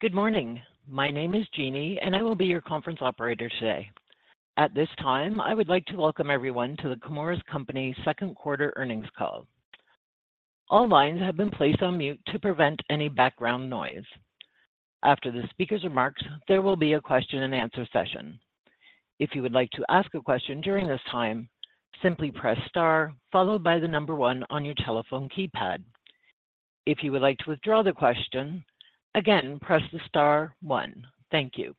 Good morning. My name is Jeannie, and I will be your conference operator today. At this time, I would like to welcome everyone to The Chemours Company second quarter earnings call. All lines have been placed on mute to prevent any background noise. After the speaker's remarks, there will be a question and answer session. If you would like to ask a question during this time, simply press star followed by the number one on your telephone keypad. If you would like to withdraw the question, again, press the star one. Thank you.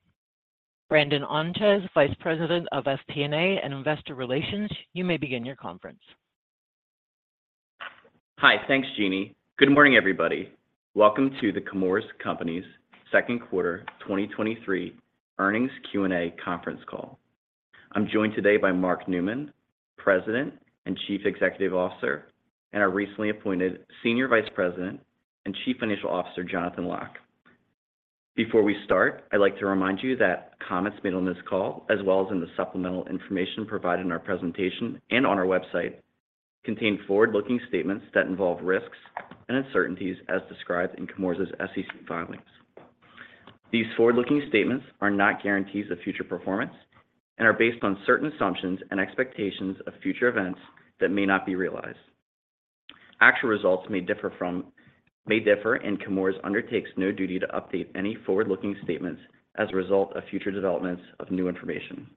Brandon Ontjes, Vice President of STNA and Investor Relations, you may begin your conference. Hi. Thanks, Jeannie. Good morning, everybody. Welcome to The Chemours Company's second quarter 2023 earnings Q&A conference call. I'm joined today by Mark Newman, President and Chief Executive Officer, and our recently appointed Senior Vice President and Chief Financial Officer, Jonathan Lock. Before we start, I'd like to remind you that comments made on this call, as well as in the supplemental information provided in our presentation and on our website, contain forward-looking statements that involve risks and uncertainties as described in Chemours' SEC filings. These forward-looking statements are not guarantees of future performance and are based on certain assumptions and expectations of future events that may not be realized. Actual results may differ may differ, and Chemours undertakes no duty to update any forward-looking statements as a result of future developments of new information.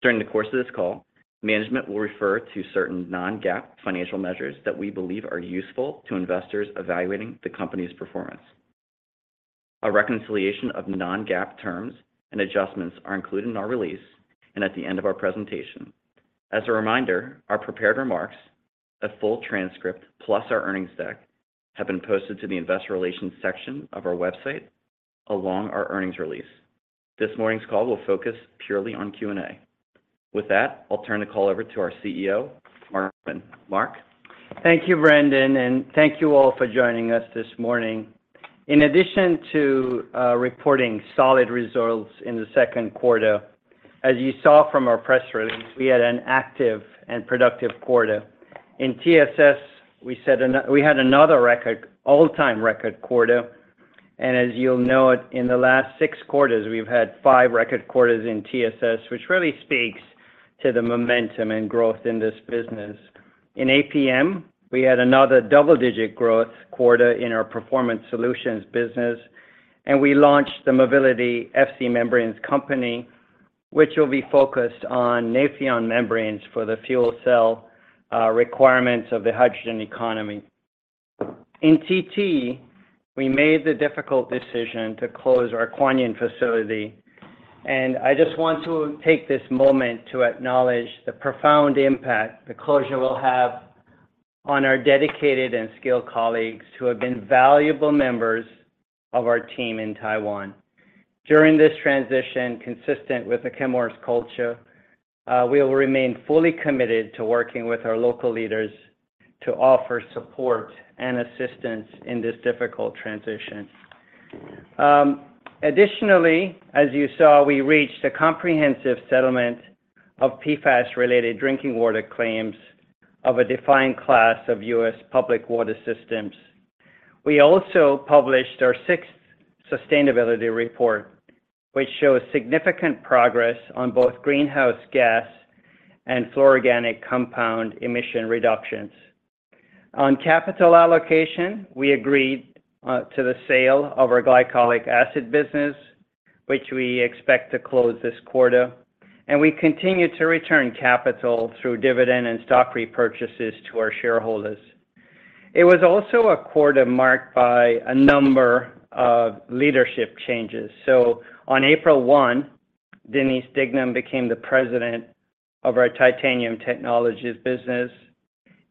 During the course of this call, management will refer to certain non-GAAP financial measures that we believe are useful to investors evaluating the company's performance. A reconciliation of non-GAAP terms and adjustments are included in our release and at the end of our presentation. As a reminder, our prepared remarks, a full transcript, plus our earnings deck, have been posted to the investor relations section of our website, along our earnings release. This morning's call will focus purely on Q&A. With that, I'll turn the call over to our CEO, Mark Newman. Mark? Thank you, Brandon, and thank you all for joining us this morning. In addition to reporting solid results in the second quarter, as you saw from our press release, we had an active and productive quarter. In TSS, we had another record, all-time record quarter, and as you'll know it, in the last six quarters, we've had five record quarters in TSS, which really speaks to the momentum and growth in this business. In APM, we had another double-digit growth quarter in our Performance Solutions business, and we launched The Mobility F.C. Membranes Company, which will be focused on Nafion membranes for the fuel cell requirements of the hydrogen economy. In TT, we made the difficult decision to close our Kuan Yin facility, and I just want to take this moment to acknowledge the profound impact the closure will have on our dedicated and skilled colleagues who have been valuable members of our team in Taiwan. During this transition, consistent with the Chemours culture, we will remain fully committed to working with our local leaders to offer support and assistance in this difficult transition. Additionally, as you saw, we reached a comprehensive settlement of PFAS-related drinking water claims of a defined class of US public water systems. We also published our sixth sustainability report, which shows significant progress on both greenhouse gas and fluororganic compound emission reductions. On capital allocation, we agreed to the sale of our Glycolic Acid business, which we expect to close this quarter, and we continue to return capital through dividend and stock repurchases to our shareholders. It was also a quarter marked by a number of leadership changes. On April 1, Denise Dignam became the President of our Titanium Technologies business.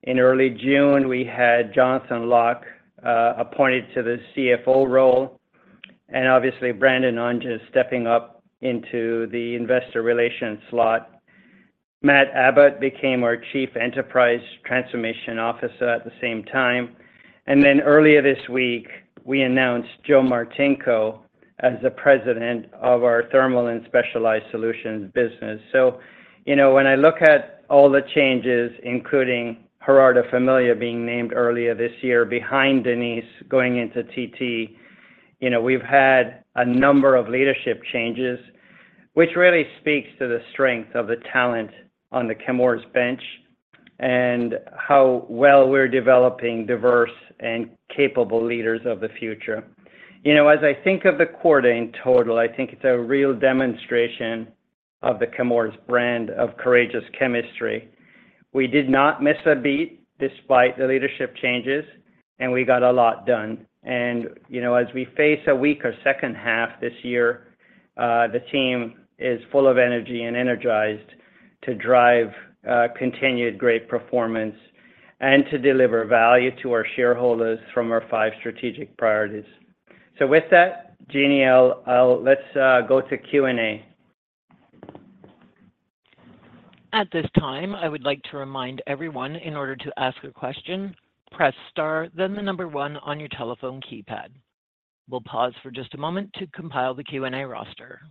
In early June, we had Jonathan Lock appointed to the CFO role, and obviously, Brandon Ontjes stepping up into the Investor Relations slot. Matt Abbott became our Chief Enterprise Transformation Officer at the same time. Earlier this week, we announced Joe Martinko as the President of the Thermal & Specialized Solutions business. You know, when I look at all the changes, including Gerardo Familiar being named earlier this year behind Denise going into TT, you know, we've had a number of leadership changes, which really speaks to the strength of the talent on the Chemours bench and how well we're developing diverse and capable leaders of the future. You know, as I think of the quarter in total, I think it's a real demonstration of the Chemours brand of Courageous Chemistry. We did not miss a beat despite the leadership changes, and we got a lot done. You know, as we face a weaker second half this year, the team is full of energy and energized to drive continued great performance and to deliver value to our shareholders from our five strategic priorities. With that, Jeannie, I'll, I'll-- let's, go to Q&A. At this time, I would like to remind everyone in order to ask a question, press star, then the 1 on your telephone keypad. We'll pause for just a moment to compile the Q&A roster.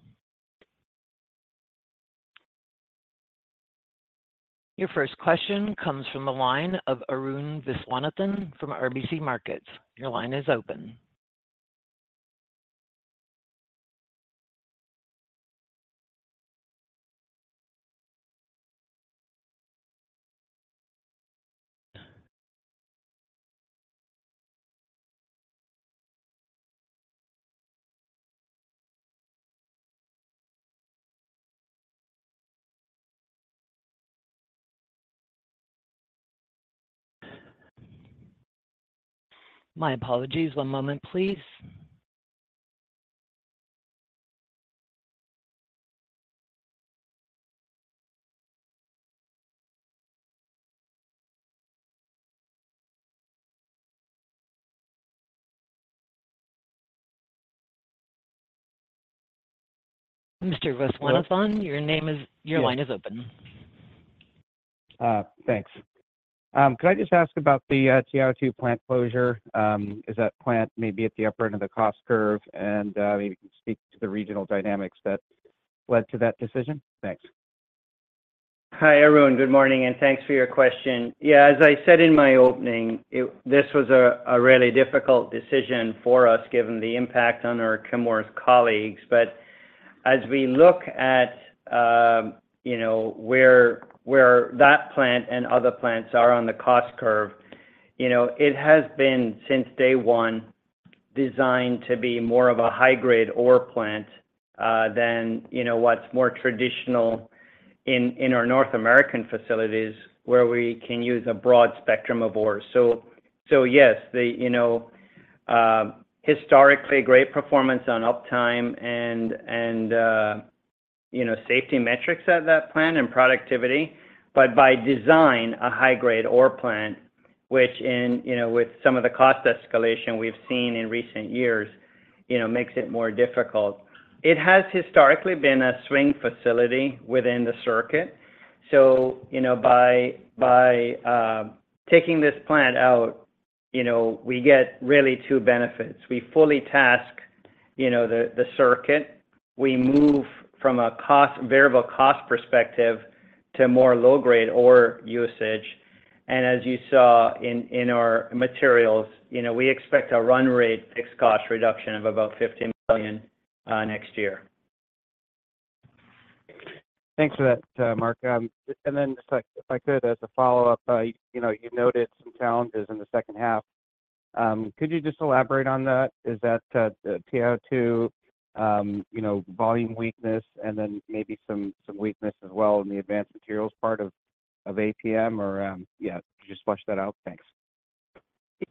Your first question comes from the line of Arun Viswanathan from RBC Capital Markets. Your line is open. My apologies. One moment, please. Mr. Viswanathan, your name is- Yes. Your line is open. Thanks. Could I just ask about the TiO2 plant closure? Is that plant maybe at the upper end of the cost curve? Maybe you can speak to the regional dynamics that led to that decision. Thanks. Hi, everyone. Good morning, and thanks for your question. Yeah, as I said in my opening, this was a, a really difficult decision for us, given the impact on our Chemours colleagues. As we look at, you know, where, where that plant and other plants are on the cost curve, you know, it has been, since day one, designed to be more of a high-grade ore plant, than, you know, what's more traditional in, in our North American facilities, where we can use a broad spectrum of ore. Yes, the, you know, historically, great performance on uptime and, and, you know, safety metrics at that plant and productivity, but by design, a high-grade ore plant, which in, you know, with some of the cost escalation we've seen in recent years, you know, makes it more difficult. It has historically been a swing facility within the circuit. You know, by, by taking this plant out, you know, we get really 2 benefits. We fully task, you know, the, the circuit. We move from a cost-- variable cost perspective to more low-grade ore usage. As you saw in, in our materials, you know, we expect a run rate fixed cost reduction of about $15 million next year. Thanks for that, Mark. Then if I, if I could, as a follow-up, you know, you noted some challenges in the second half. Could you just elaborate on that? Is that the TiO2, you know, volume weakness and then maybe some, some weakness as well in the Advanced Materials part of, of APM or... Yeah, could you just flush that out? Thanks.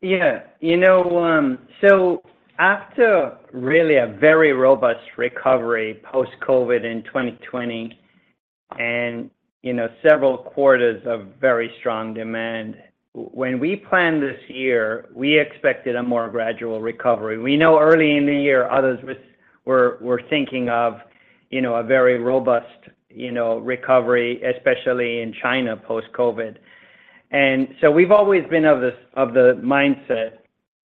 You know, so after really a very robust recovery post-COVID in 2020 and, you know, several quarters of very strong demand, when we planned this year, we expected a more gradual recovery. We know early in the year, others were thinking of, you know, a very robust, you know, recovery, especially in China, post-COVID. So we've always been of the mindset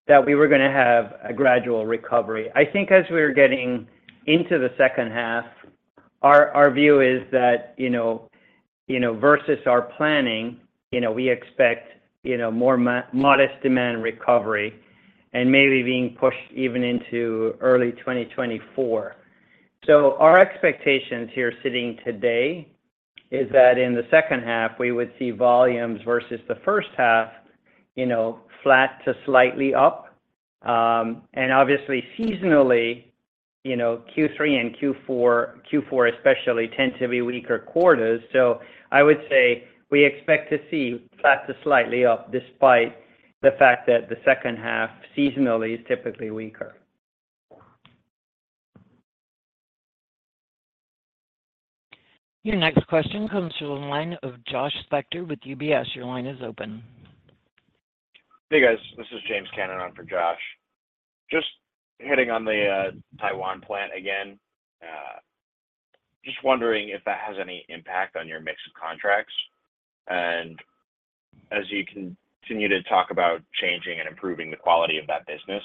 that we were gonna have a gradual recovery. I think as we were getting into the second half, our, our view is that, you know, you know, versus our planning, you know, we expect, you know, more modest demand recovery and maybe being pushed even into early 2024. So our expectations here sitting today is that in the second half, we would see volumes versus the first half, you know, flat to slightly up. Obviously, seasonally, you know, Q3 and Q4, Q4 especially, tend to be weaker quarters. I would say we expect to see flat to slightly up, despite the fact that the second half, seasonally, is typically weaker. Your next question comes from the line of Josh Spector with UBS. Your line is open. Hey, guys. This is James Cannon on for Josh. Just hitting on the Taiwan plant again. Just wondering if that has any impact on your mix of contracts. As you continue to talk about changing and improving the quality of that business,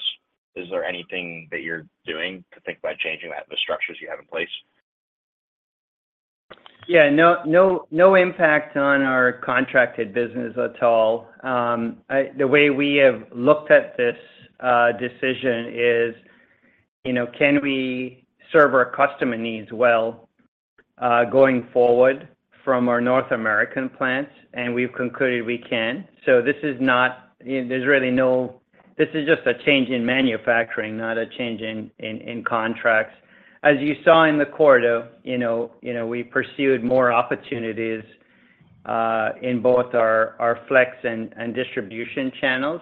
is there anything that you're doing to think about changing the structures you have in place? Yeah, no, no, no impact on our contracted business at all. The way we have looked at this, decision is, you know, can we serve our customer needs well, going forward from our North American plants? We've concluded we can. This is just a change in manufacturing, not a change in, in, in contracts. As you saw in the quarter, you know, you know, we pursued more opportunities, in both our, our flex and, and distribution channels,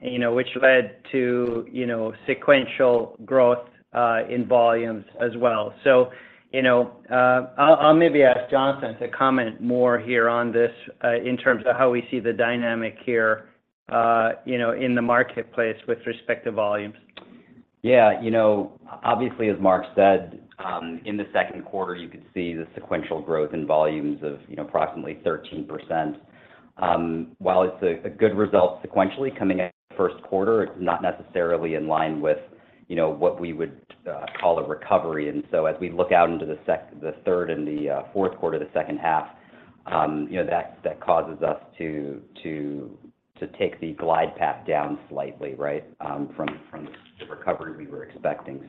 you know, which led to, you know, sequential growth, in volumes as well. You know, I'll, I'll maybe ask Jonathan to comment more here on this, in terms of how we see the dynamic here, you know, in the marketplace with respect to volumes. Yeah, you know, obviously, as Mark said, in the second quarter, you could see the sequential growth in volumes of, you know, approximately 13%. While it's a good result sequentially coming out first quarter, it's not necessarily in line with, you know, what we would call a recovery. As we look out into the third and the fourth quarter, the second half, you know, that, that causes us to, to, to take the glide path down slightly, right? From, from the recovery we were expecting.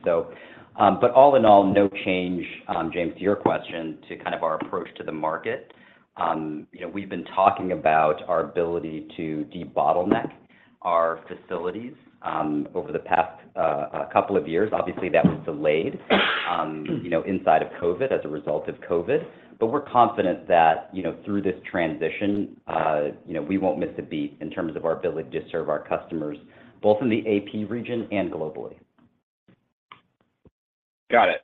All in all, no change, James, to your question, to kind of our approach to the market. You know, we've been talking about our ability to debottleneck our facilities, over the past couple of years. Obviously, that was delayed, you know, inside of COVID, as a result of COVID. We're confident that, you know, through this transition, you know, we won't miss a beat in terms of our ability to serve our customers, both in the AP region and globally. Got it.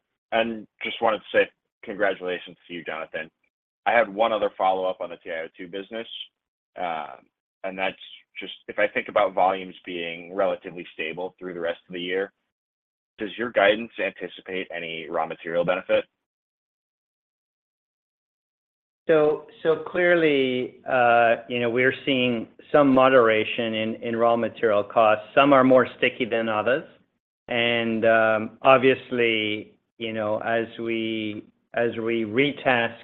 Just wanted to say congratulations to you, Jonathan. I have one other follow-up on the TiO2 business, and that's just if I think about volumes being relatively stable through the rest of the year, does your guidance anticipate any raw material benefit? Clearly, you know, we're seeing some moderation in raw material costs. Some are more sticky than others. Obviously, you know, as we, as we retask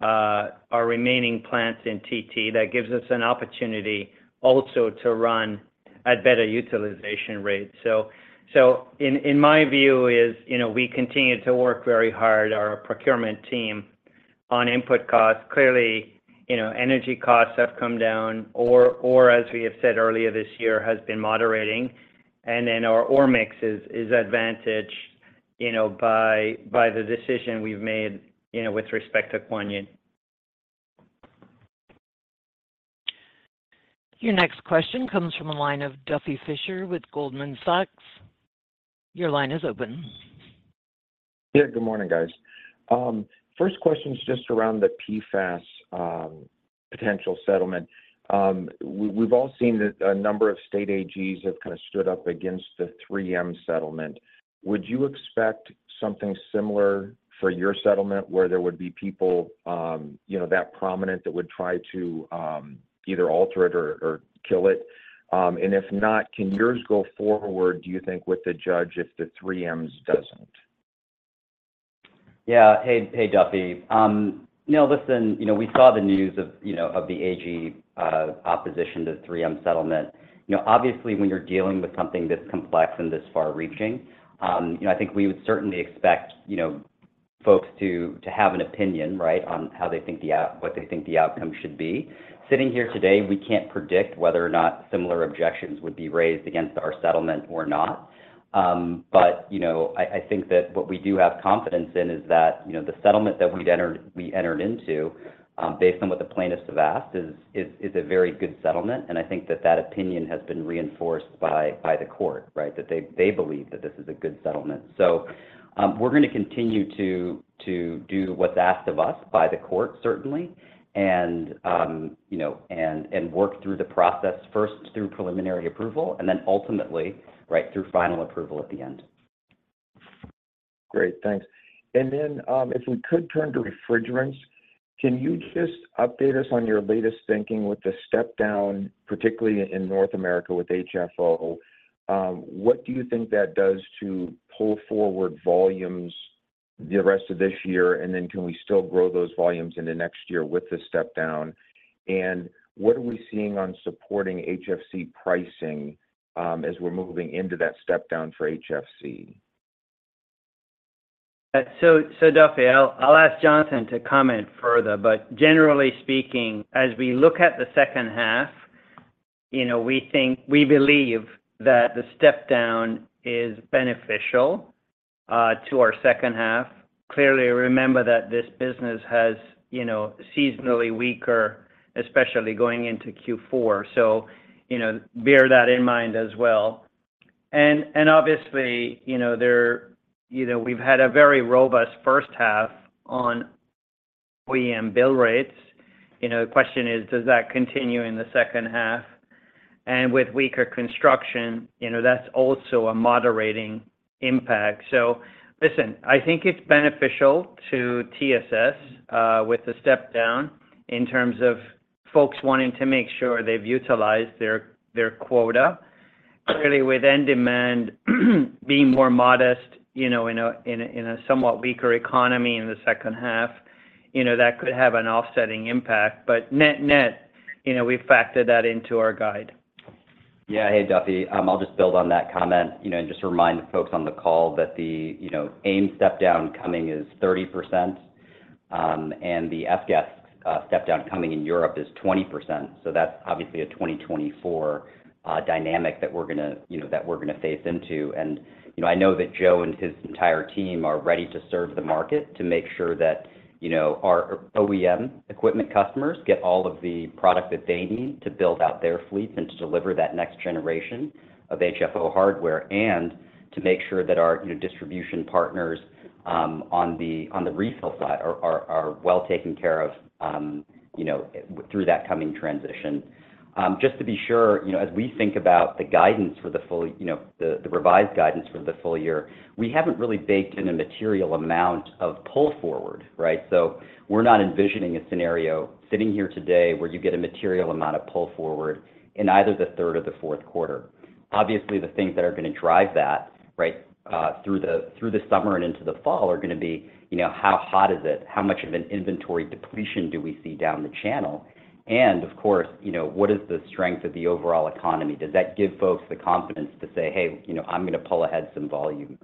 our remaining plants in TT, that gives us an opportunity also to run at better utilization rates. In my view is, you know, we continue to work very hard, our procurement team, on input costs. Clearly, you know, energy costs have come down, or, as we have said earlier, this year has been moderating. Our ore mix is advantaged, you know, by the decision we've made, you know, with respect to Kuan Yin. Your next question comes from the line of Duffy Fischer with Goldman Sachs. Your line is open. Yeah. Good morning, guys. First question is just around the PFAS potential settlement. We've all seen that a number of state AGs have kind of stood up against the 3M settlement. Would you expect something similar for your settlement, where there would be people, you know, that prominent that would try to either alter it or, or kill it? If not, can yours go forward, do you think, with the judge, if the 3M doesn't? Hey, hey, Duffy. You know, listen, you know, we saw the news of, you know, of the AG, opposition to the 3M settlement. You know, obviously, when you're dealing with something this complex and this far-reaching, you know, I think we would certainly expect, you know, folks to, to have an opinion, right, on how they think the out- what they think the outcome should be. Sitting here today, we can't predict whether or not similar objections would be raised against our settlement or not. You know, I, I think that what we do have confidence in is that, you know, the settlement that we'd entered-- we entered into, based on what the plaintiffs have asked, is, is a very good settlement, and I think that that opinion has been reinforced by, by the court, right? That they, they believe that this is a good settlement. We're gonna continue to, to do what's asked of us by the court, certainly, and, you know, and, and work through the process, first through preliminary approval, and then ultimately, right, through final approval at the end. Great. Thanks. If we could turn to refrigerants, can you just update us on your latest thinking with the step down, particularly in North America with HFO? What do you think that does to pull forward volumes the rest of this year? Can we still grow those volumes into next year with the step down? What are we seeing on supporting HFC pricing, as we're moving into that step down for HFC? So, so Duffy, I'll, I'll ask Jonathan to comment further. Generally speaking, as we look at the second half, you know, we think we believe that the step down is beneficial to our second half. Clearly, remember that this business has, you know, seasonally weaker, especially going into Q4, so, you know, bear that in mind as well. Obviously, you know, there you know, we've had a very robust first half on OEM build rates. You know, the question is, does that continue in the second half? With weaker construction, you know, that's also a moderating impact. Listen, I think it's beneficial to TSS with the step down in terms of folks wanting to make sure they've utilized their, their quota. Clearly, with end demand being more modest, you know, in a, in a, in a somewhat weaker economy in the second half, you know, that could have an offsetting impact. Net- net, you know, we've factored that into our guide. Yeah. Hey, Duffy, I'll just build on that comment, you know, and just remind the folks on the call that the, you know, AIM step down coming is 30%, and the F-gas, step down coming in Europe is 20%. That's obviously a 2024, dynamic that we're gonna, you know, that we're gonna face into. You know, I know that Joe and his entire team are ready to serve the market to make sure that, you know, our OEM equipment customers get all of the product that they need to build out their fleet and to deliver that next generation of HFO hardware, and to make sure that our, you know, distribution partners, on the, on the refill side are, are, are well taken care of, you know, through that coming transition... Just to be sure, you know, as we think about the guidance for the full, you know, the, the revised guidance for the full year, we haven't really baked in a material amount of pull forward, right? We're not envisioning a scenario sitting here today where you get a material amount of pull forward in either the third or the fourth quarter. Obviously, the things that are gonna drive that, right, through the, through the summer and into the fall are gonna be, you know, how hot is it? How much of an inventory depletion do we see down the channel? Of course, you know, what is the strength of the overall economy? Does that give folks the confidence to say, "Hey, you know, I'm gonna pull ahead some volume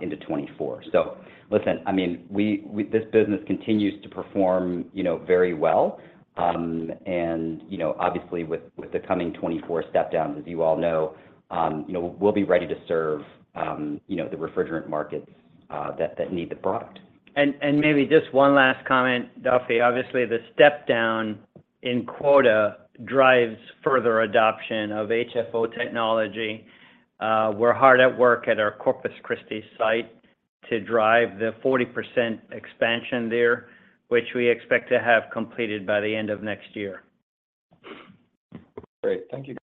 into 2024." Listen, I mean, this business continues to perform, you know, very well. And, you know, obviously, with, with the coming 2024 step downs, as you all know, you know, we'll be ready to serve, you know, the refrigerant markets, that, that need the product. Maybe just one last comment, Duffy. Obviously, the step down in quota drives further adoption of HFO technology. We're hard at work at our Corpus Christi site to drive the 40% expansion there, which we expect to have completed by the end of 2024. Great. Thank you.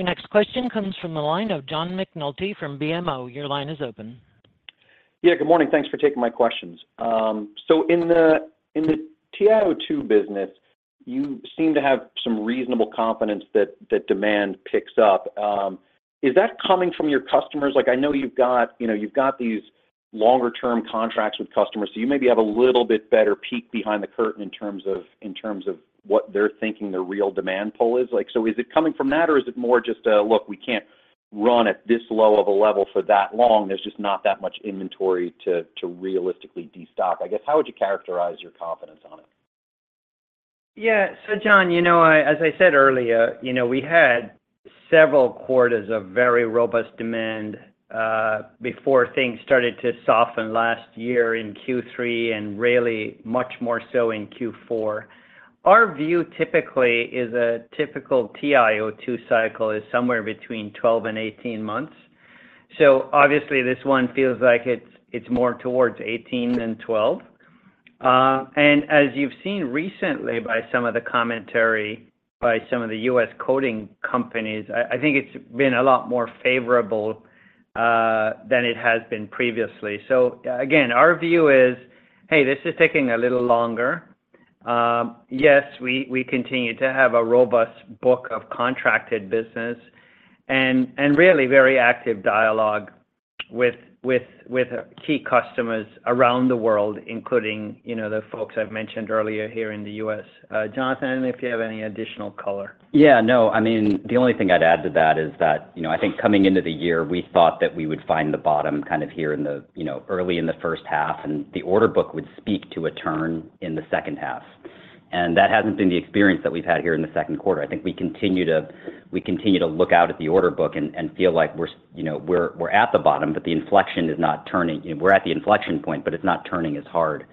Your next question comes from the line of John McNulty from BMO. Your line is open. Yeah, good morning. Thanks for taking my questions. In the TiO2 business, you seem to have some reasonable confidence that demand picks up. Is that coming from your customers? Like, I know you've got, you know, you've got these longer-term contracts with customers, so you maybe have a little bit better peek behind the curtain in terms of, in terms of what they're thinking their real demand pull is. Like, is it coming from that, or is it more just a, "Look, we can't run at this low of a level for that long. There's just not that much inventory to, to realistically destock?" I guess, how would you characterize your confidence on it? Yeah. John, you know, I-- as I said earlier, you know, we had several quarters of very robust demand, before things started to soften last year in Q3, and really, much more so in Q4. Our view typically is a typical TiO2 cycle is somewhere between 12 and 18 months. Obviously, this one feels like it's, it's more towards 18 than 12. And as you've seen recently by some of the commentary by some of the US coating companies, I, I think it's been a lot more favorable than it has been previously. A- again, our view is, "Hey, this is taking a little longer." Yes, we, we continue to have a robust book of contracted business and, and really very active dialogue with, with, with key customers around the world, including, you know, the folks I've mentioned earlier here in the US. Jonathan, I don't know if you have any additional color. Yeah, no. I mean, the only thing I'd add to that is that, you know, I think coming into the year, we thought that we would find the bottom kind of here in the, you know, early in the first half, and the order book would speak to a turn in the second half. That hasn't been the experience that we've had here in the second quarter. I think we continue to look out at the order book and feel like we're, you know, at the bottom, but the inflection is not turning. We're at the inflection point, but it's not turning as hard.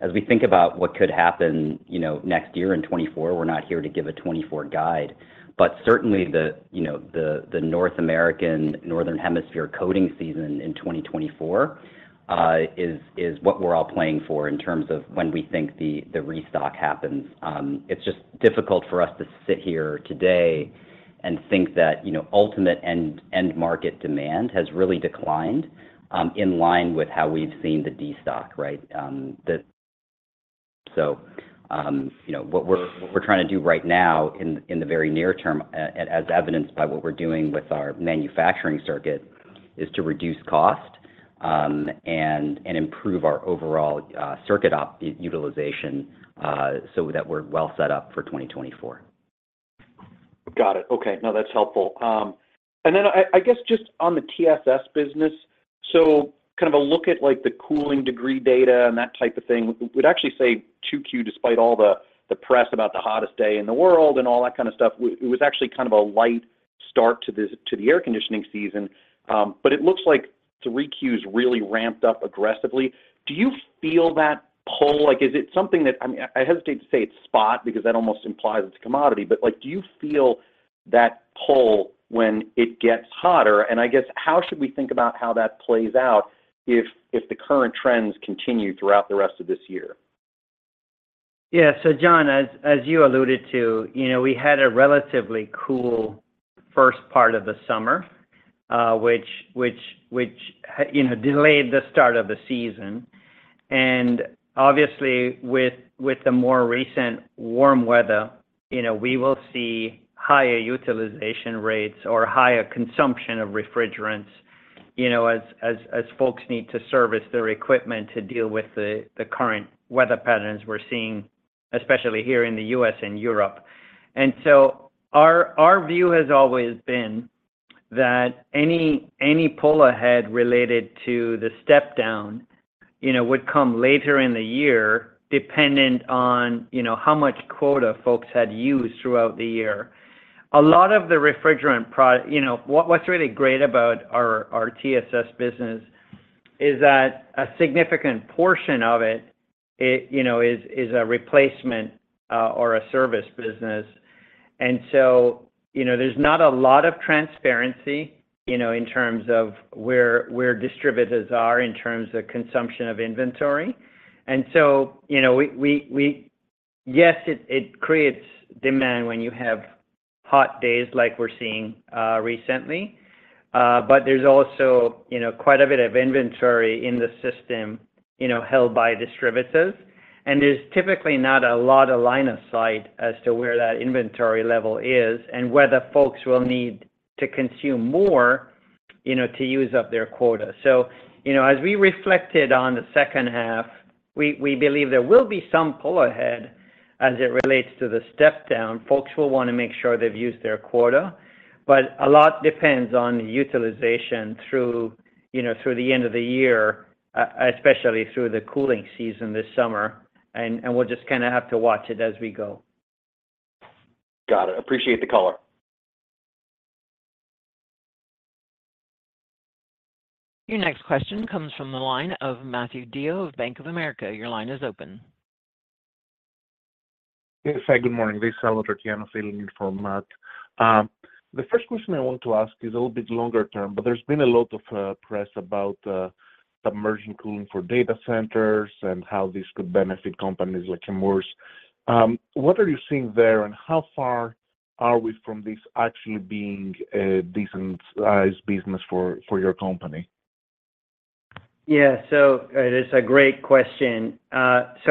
As we think about what could happen, you know, next year in 2024, we're not here to give a 2024 guide, but certainly the, you know, the, the North American, Northern Hemisphere coating season in 2024 is, is what we're all playing for in terms of when we think the, the restock happens. It's just difficult for us to sit here today and think that, you know, ultimate end, end market demand has really declined in line with how we've seen the destock, right? you know, what we're, what we're trying to do right now in, in the very near term, as evidenced by what we're doing with our manufacturing circuit, is to reduce cost and, and improve our overall circuit op utilization so that we're well set up for 2024. Got it. Okay. No, that's helpful. Then I, I guess, just on the TSS business, so kind of a look at, like, the cooling degree data and that type of thing, we'd actually say 2Q, despite all the, the press about the hottest day in the world and all that kind of stuff, it was actually kind of a light start to the air conditioning season. It looks like 3Q is really ramped up aggressively. Do you feel that pull? Like, is it something that... I mean, I hesitate to say it's spot, because that almost implies it's a commodity, but, like, do you feel that pull when it gets hotter? I guess, how should we think about how that plays out if, if the current trends continue throughout the rest of this year? John, as, as you alluded to, you know, we had a relatively cool first part of the summer, which, which, which, you know, delayed the start of the season. Obviously, with, with the more recent warm weather, you know, we will see higher utilization rates or higher consumption of refrigerants, you know, as, as, as folks need to service their equipment to deal with the current weather patterns we're seeing, especially here in the U.S. and Europe. So our, our view has always been that any, any pull ahead related to the step down, you know, would come later in the year, dependent on, you know, how much quota folks had used throughout the year. A lot of the refrigerant. You know, what, what's really great about our, our TSS business-... Is that a significant portion of it, you know, is a replacement or a service business. You know, there's not a lot of transparency, you know, in terms of where distributors are in terms of consumption of inventory. You know, yes, it creates demand when you have hot days like we're seeing recently, but there's also, you know, quite a bit of inventory in the system, you know, held by distributors. There's typically not a lot of line of sight as to where that inventory level is, and whether folks will need to consume more, you know, to use up their quota. You know, as we reflected on the second half, we believe there will be some pull ahead as it relates to the step down. Folks will want to make sure they've used their quota, but a lot depends on utilization through, you know, through the end of the year, especially through the cooling season this summer, and we'll just kind of have to watch it as we go. Got it. Appreciate the caller. Your next question comes from the line of Matthew DeYoe of Bank of America. Your line is open. Yes, hi, good morning. This is Salvator Tiano filling in for Matt. The first question I want to ask is a little bit longer term, but there's been a lot of press about submerging cooling for data centers and how this could benefit companies like Chemours. What are you seeing there, and how far are we from this actually being a decent sized business for, for your company? Yeah. It is a great question.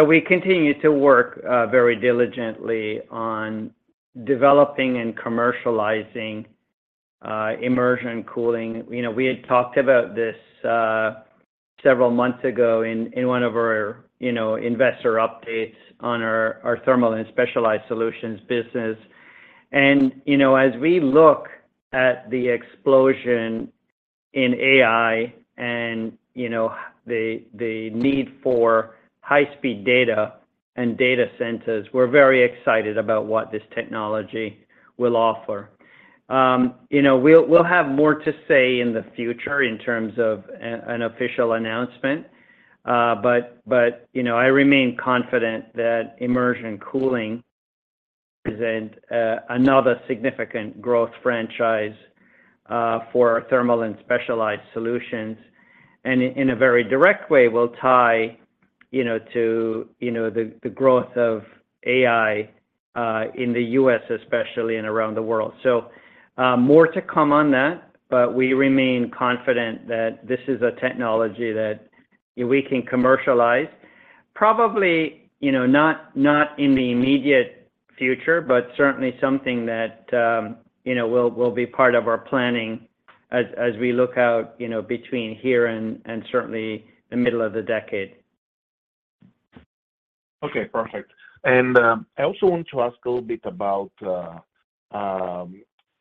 We continue to work very diligently on developing and commercializing immersion cooling. You know, we had talked about this several months ago in one of our, you know, investor updates on our Thermal & Specialized Solutions business. You know, as we look at the explosion in AI and, you know, the need for high-speed data and data centers, we're very excited about what this technology will offer. You know, we'll have more to say in the future in terms of an official announcement. But, but, you know, I remain confident that immersion cooling present, another significant growth franchise, for Thermal & Specialized Solutions, and in a very direct way, will tie, you know, to, you know, the, the growth of AI, in the US especially, and around the world. More to come on that, but we remain confident that this is a technology that we can commercialize. Probably, you know, not, not in the immediate future, but certainly something that, you know, will, will be part of our planning as, as we look out, you know, between here and, and certainly the middle of the decade. Okay, perfect. And, um, I also want to ask a little bit about, uh,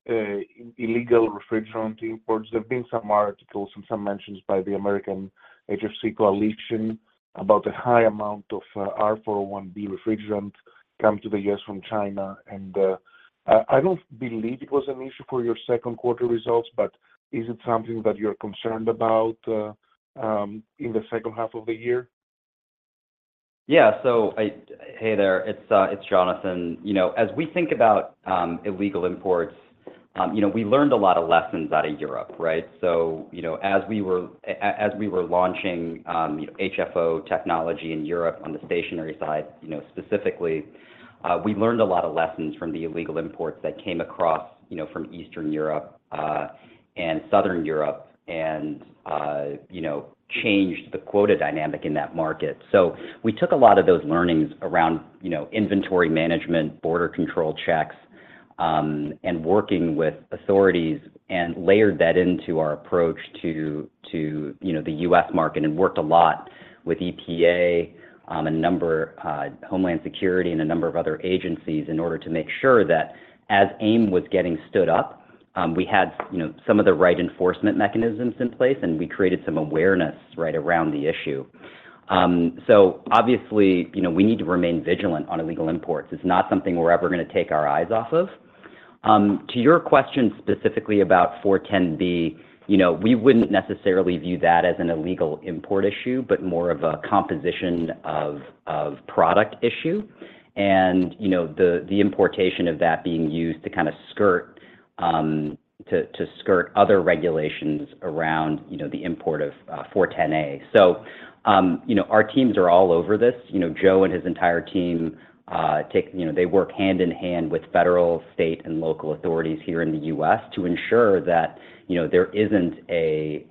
um, uh, illegal refrigerant imports. There have been some articles and some mentions by the American HFC Coalition about the high amount of, uh, R-410B refrigerant coming to the US from China. And, uh, I, I don't believe it was an issue for your second quarter results, but is it something that you're concerned about, uh, um, in the second half of the year? Yeah. Hey there, it's Jonathan. You know, as we think about illegal imports, you know, we learned a lot of lessons out of Europe, right? You know, as we were as we were launching, you know, HFO technology in Europe on the stationary side, you know, specifically, we learned a lot of lessons from the illegal imports that came across, you know, from Eastern Europe and Southern Europe and, you know, changed the quota dynamic in that market. We took a lot of those learnings around, you know, inventory management, border control checks, and working with authorities, and layered that into our approach to, to, you know, the US market, and worked a lot with EPA, a number, Homeland Security, and a number of other agencies in order to make sure that as AIM was getting stood up, we had, you know, some of the right enforcement mechanisms in place, and we created some awareness right around the issue. Obviously, you know, we need to remain vigilant on illegal imports. It's not something we're ever gonna take our eyes off of. To your question, specifically about R-410B, you know, we wouldn't necessarily view that as an illegal import issue, but more of a composition of, of product issue. You know, the, the importation of that being used to kind of skirt, to, to skirt other regulations around, you know, the import of R-410B. You know, our teams are all over this. You know, Joe and his entire team, you know, they work hand in hand with federal, state, and local authorities here in the U.S. to ensure that, you know, there isn't a,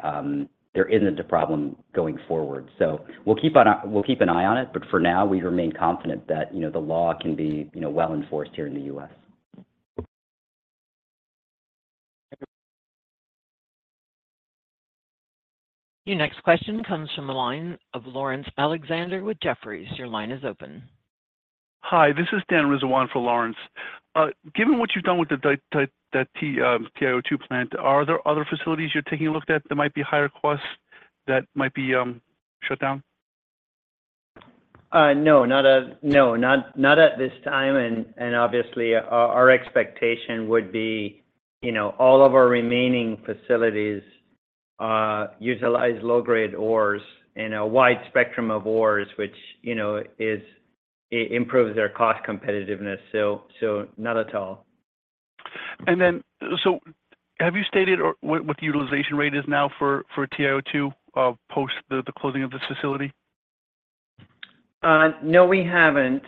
there isn't a problem going forward. We'll keep an eye on it, but for now, we remain confident that, you know, the law can be, you know, well enforced here in the U.S. Your next question comes from the line of Lawrence Alexander with Jefferies. Your line is open. Hi, this is Dan Rizwan for Lawrence. Given what you've done with the the T, TiO2 plant, are there other facilities you're taking a look at that might be higher cost, that might be, shut down?... no, not at this time, and, obviously, our expectation would be, you know, all of our remaining facilities, utilize low-grade ores and a wide spectrum of ores, which, you know, it improves their cost competitiveness. so not at all. Have you stated or what, what the utilization rate is now for, for TiO2, post the, the closing of this facility? No, we haven't.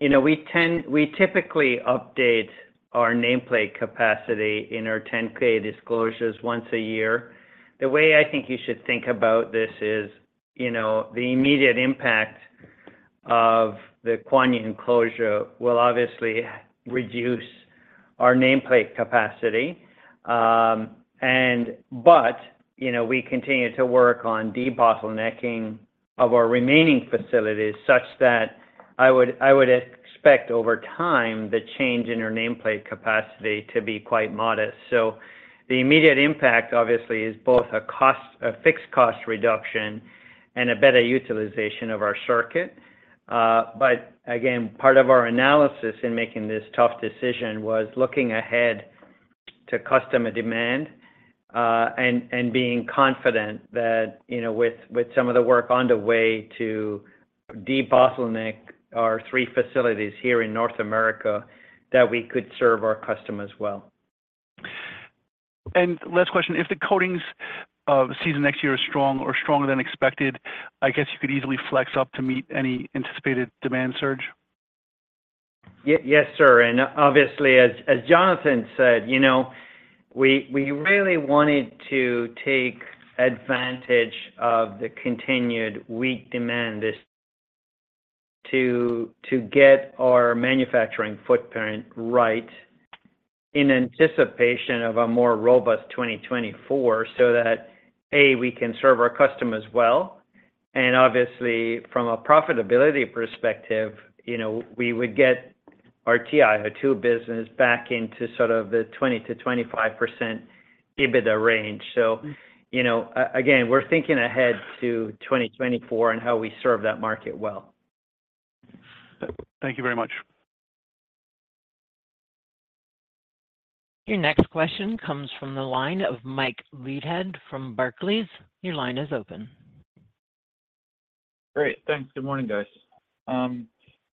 We typically update our nameplate capacity in our 10-K disclosures once a year. The way I think you should think about this is, the immediate impact of the Kuan Yin closure will obviously reduce our nameplate capacity. We continue to work on debottlenecking of our remaining facilities such that I would, I would expect over time, the change in our nameplate capacity to be quite modest. The immediate impact, obviously, is both a fixed cost reduction and a better utilization of our circuit. But again, part of our analysis in making this tough decision was looking ahead to customer demand, and, and being confident that, you know, with, with some of the work underway to debottleneck our three facilities here in North America, that we could serve our customers well. Last question, if the coatings season next year are strong or stronger than expected, I guess you could easily flex up to meet any anticipated demand surge? Yes, sir. Obviously, as Jonathan Lock said, you know, we, we really wanted to take advantage of the continued weak demand this to, to get our manufacturing footprint right in anticipation of a more robust 2024, so that, A, we can serve our customers well, and obviously, from a profitability perspective, you know, we would get our TiO2 business back into sort of the 20%-25% EBITDA range. You know, again, we're thinking ahead to 2024 and how we serve that market well. Thank you very much. Your next question comes from the line of Mike Leithead from Barclays. Your line is open. Great. Thanks. Good morning, guys.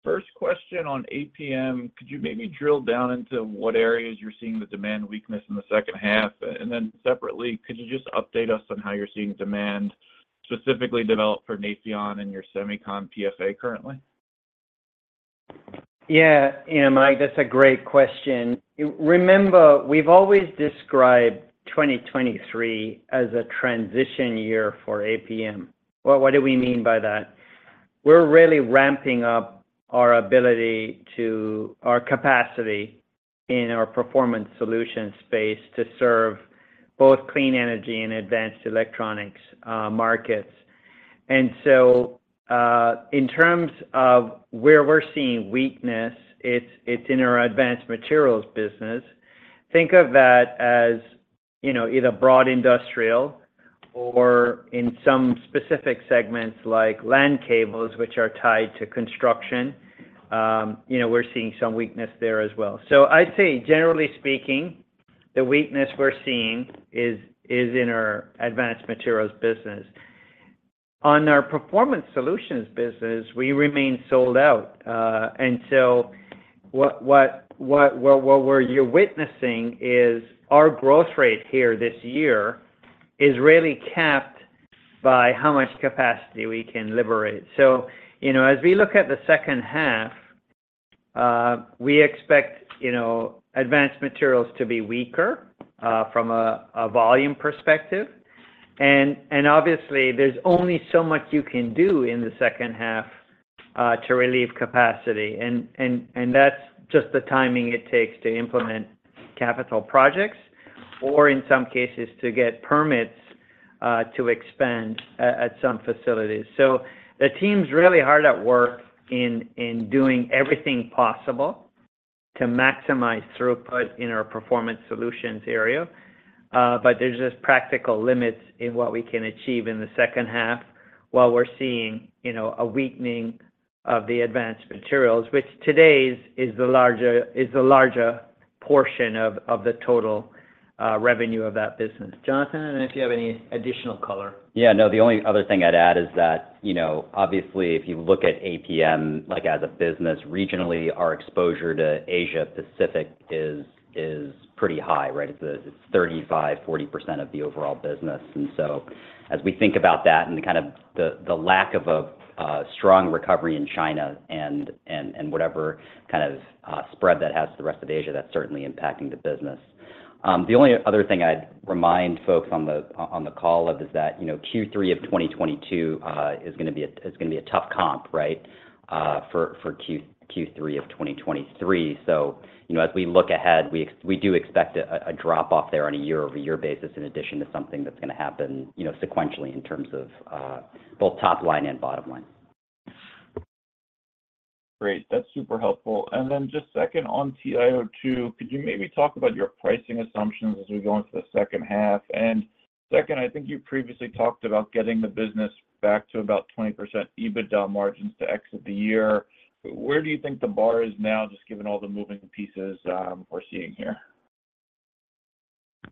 First question on APM: Could you maybe drill down into what areas you're seeing the demand weakness in the second half? Then separately, could you just update us on how you're seeing demand, specifically develop for Nafion and your semicon PFA currently? Yeah, Mike, that's a great question. Remember, we've always described 2023 as a transition year for APM. Well, what do we mean by that? We're really ramping up our ability our capacity in our performance solution space to serve both clean energy and advanced electronics markets. So, in terms of where we're seeing weakness, it's, it's in our Advanced Materials business. Think of that as, you know, either broad industrial or in some specific segments like land cables, which are tied to construction. You know, we're seeing some weakness there as well. I'd say, generally speaking, the weakness we're seeing is, is in our Advanced Materials business. On our Performance Solutions business, we remain sold out. So what we're you're witnessing is our growth rate here this year is really capped by how much capacity we can liberate. As we look at the second half, we expect, you know, Advanced Materials to be weaker from a volume perspective. Obviously, there's only so much you can do in the second half to relieve capacity, and that's just the timing it takes to implement capital projects, or in some cases, to get permits to expand at some facilities. The team's really hard at work in doing everything possible to maximize throughput in our Performance Solutions area. There's just practical limits in what we can achieve in the second half, while we're seeing, you know, a weakening of the Advanced Materials, which today is, is the larger, is the larger portion of, of the total revenue of that business. Jonathan, and if you have any additional color. Yeah, no, the only other thing I'd add is that, you know, obviously, if you look at APM, like, as a business, regionally, our exposure to Asia Pacific is, is pretty high, right? It's the-- it's 35%-40% of the overall business. As we think about that and the kind of the, the lack of a strong recovery in China and, and, and whatever kind of spread that has to the rest of Asia, that's certainly impacting the business. The only other thing I'd remind folks on the, on the call of is that, you know, Q3 of 2022 is gonna be a, is gonna be a tough comp, right, for, for Q3, Q3 of 2023. You know, as we look ahead, we, we do expect a, a drop off there on a year-over-year basis, in addition to something that's gonna happen, you know, sequentially in terms of, both top line and bottom line. Great, that's super helpful. Then just second on TiO2, could you maybe talk about your pricing assumptions as we go into the second half? Second, I think you previously talked about getting the business back to about 20% EBITDA margins to exit the year. Where do you think the bar is now, just given all the moving pieces, we're seeing here?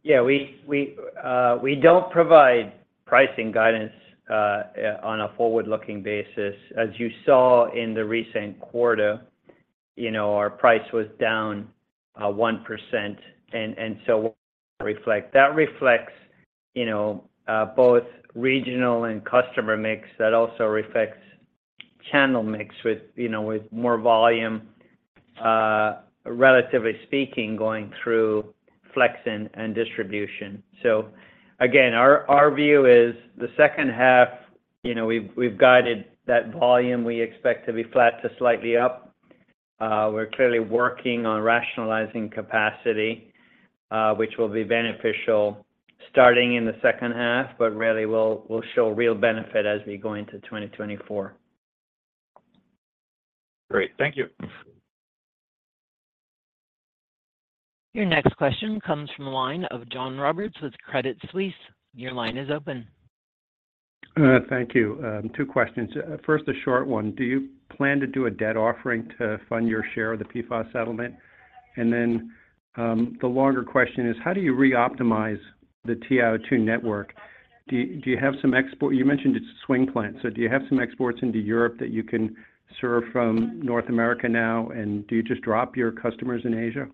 Yeah, we, we, we don't provide pricing guidance on a forward-looking basis. As you saw in the recent quarter, you know, our price was down 1%, and, and so reflect. That reflects, you know, both regional and customer mix, that also reflects channel mix with, you know, with more volume, relatively speaking, going through flexing and distribution. Again, our, our view is the second half, you know, we've, we've guided that volume, we expect to be flat to slightly up. We're clearly working on rationalizing capacity, which will be beneficial starting in the second half, but really will, will show real benefit as we go into 2024. Great. Thank you. Your next question comes from the line of John Roberts with Credit Suisse. Your line is open. Thank you. Two questions. First, a short one: Do you plan to do a debt offering to fund your share of the PFAS settlement? Then, the longer question is: How do you reoptimize the TiO2 network? Do you have some export-- You mentioned it's a swing plant, so do you have some exports into Europe that you can serve from North America now, and do you just drop your customers in Asia?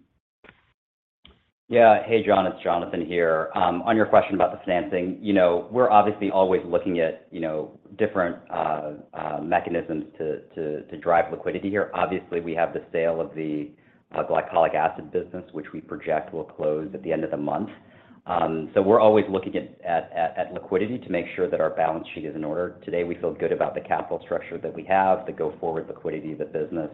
Hey, John, it's Jonathan here. On your question about the financing, you know, we're obviously always looking at, you know, different mechanisms to drive liquidity here. Obviously, we have the sale of the Glycolic Acid business, which we project will close at the end of the month. We're always looking at liquidity to make sure that our balance sheet is in order. Today, we feel good about the capital structure that we have to go forward with liquidity of the business.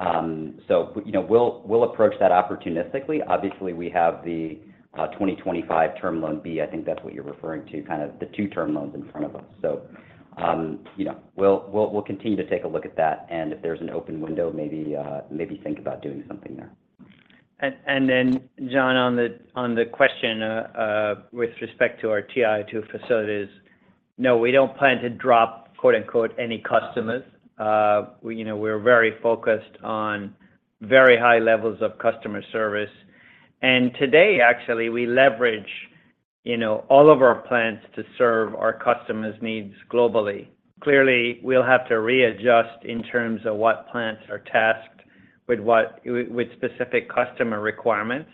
You know, we'll approach that opportunistically. Obviously, we have the 2025 term loan B, I think that's what you're referring to, kind of the two-term loans in front of us. You know, we'll, we'll, we'll continue to take a look at that, and if there's an open window, maybe, maybe think about doing something there. Then, John, on the, on the question with respect to our TiO2 facilities, no, we don't plan to drop, quote, unquote, "any customers." We, you know, we're very focused on very high levels of customer service, and today, actually, we leverage, you know, all of our plants to serve our customers' needs globally. Clearly, we'll have to readjust in terms of what plants are tasked with with, with specific customer requirements,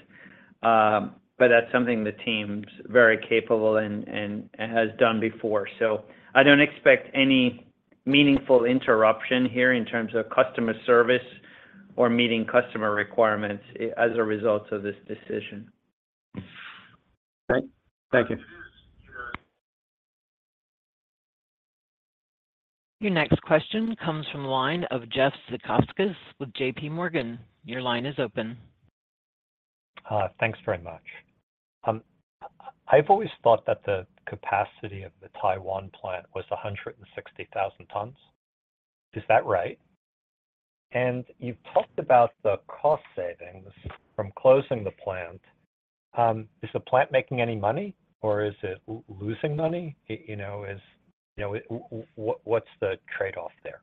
but that's something the team's very capable and, and, and has done before. I don't expect any meaningful interruption here in terms of customer service or meeting customer requirements as a result of this decision. Great. Thank you. Your next question comes from the line of Jeffrey Zekauskas with JP Morgan. Your line is open. Thanks very much. I've always thought that the capacity of the Taiwan plant was 160,000 tons. Is that right? You've talked about the cost savings from closing the plant. Is the plant making any money or is it losing money? You know, what's the trade-off there?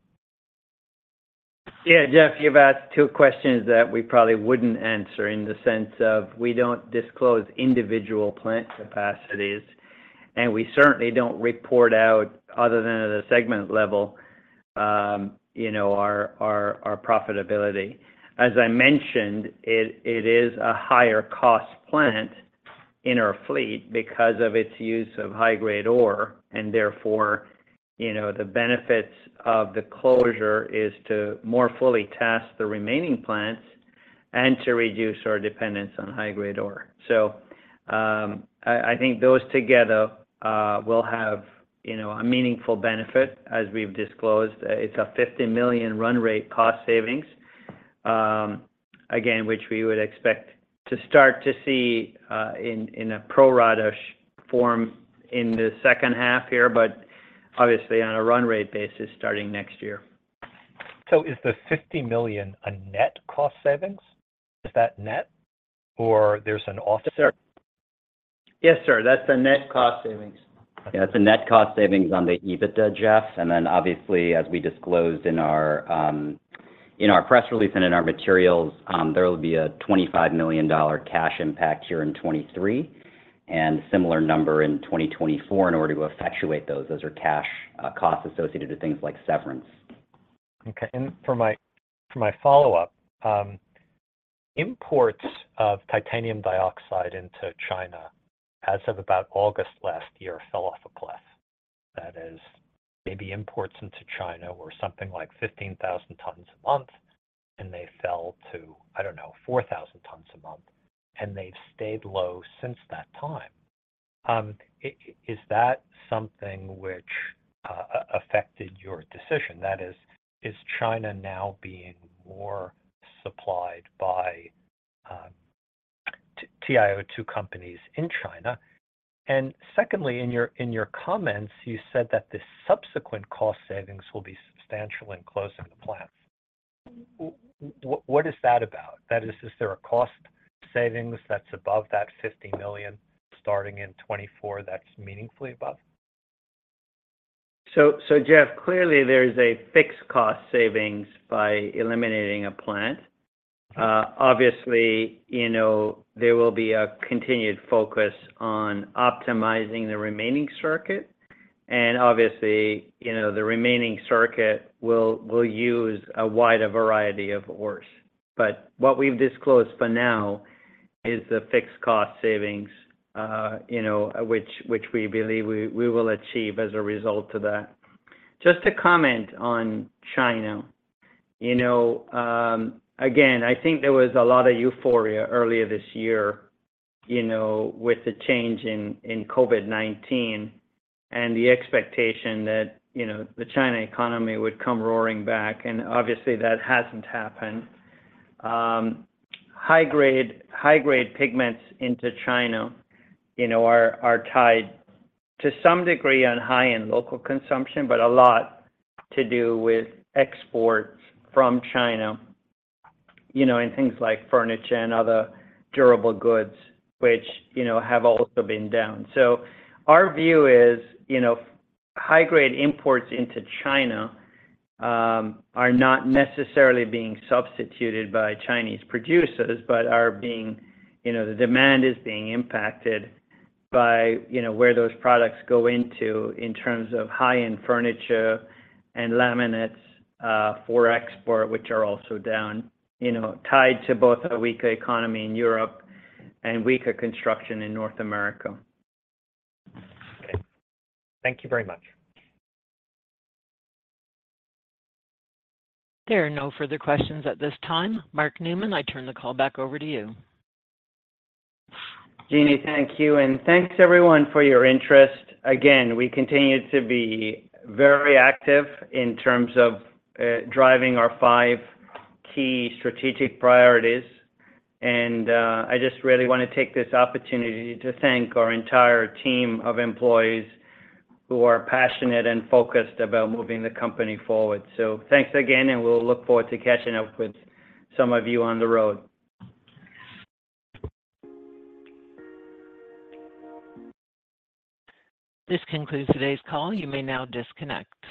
Yeah, Jeffrey, you've asked two questions that we probably wouldn't answer in the sense of we don't disclose individual plant capacities, and we certainly don't report out, other than at a segment level, you know, our, our, our profitability. As I mentioned, it, it is a higher cost plant in our fleet because of its use of high-grade ore, and therefore, you know, the benefits of the closure is to more fully test the remaining plants and to reduce our dependence on high-grade ore. I, I think those together will have, you know, a meaningful benefit. As we've disclosed, it's a $50 million run rate cost savings, again, which we would expect to start to see in, in a pro rata form in the second half here, but obviously on a run rate basis starting next year. Is the $50 million a net cost savings? Is that net or there's an offset? Yes, sir, that's a net cost savings. Yeah, that's a net cost savings on the EBITDA, Jeff. Then, obviously, as we disclosed in our, in our press release and in our materials, there will be a $25 million cash impact here in 2023, and similar number in 2024 in order to effectuate those. Those are cash costs associated to things like severance. Okay, for my, for my follow-up, imports of titanium dioxide into China, as of about August last year, fell off a cliff. That is, maybe imports into China were something like 15,000 tons a month, and they fell to, I don't know, 4,000 tons a month, and they've stayed low since that time. Is that something which affected your decision? That is, is China now being more supplied by TiO2 companies in China? Secondly, in your, in your comments, you said that the subsequent cost savings will be substantial in closing the plants. What is that about? That is, is there a cost savings that's above that $50 million, starting in 2024, that's meaningfully above? Jeffrey, clearly there is a fixed cost savings by eliminating a plant. Obviously, you know, there will be a continued focus on optimizing the remaining circuit, and obviously, you know, the remaining circuit will, will use a wider variety of ores. What we've disclosed for now is the fixed cost savings, you know, which, which we believe we, we will achieve as a result of that. Just to comment on China, you know, again, I think there was a lot of euphoria earlier this year, you know, with the change in, in COVID-19 and the expectation that, you know, the China economy would come roaring back, and obviously, that hasn't happened. High grade, high grade pigments into China, you know, are, are tied to some degree on high-end local consumption, but a lot to do with exports from China, you know, and things like furniture and other durable goods, which, you know, have also been down. Our view is, you know, high grade imports into China, are not necessarily being substituted by Chinese producers, but are being... You know, the demand is being impacted by, you know, where those products go into in terms of high-end furniture and laminates for export, which are also down, you know, tied to both a weaker economy in Europe and weaker construction in North America. Okay. Thank you very much. There are no further questions at this time. Mark Newman, I turn the call back over to you. Jeannie, thank you, and thanks everyone for your interest. Again, we continue to be very active in terms of driving our five key strategic priorities. I just really want to take this opportunity to thank our entire team of employees who are passionate and focused about moving the company forward. Thanks again, and we'll look forward to catching up with some of you on the road. This concludes today's call. You may now disconnect.